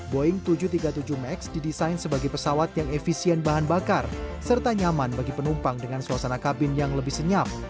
boeing tujuh ratus tiga puluh tujuh max didesain sebagai pesawat yang efisien bahan bakar serta nyaman bagi penumpang dengan suasana kabin yang lebih senyap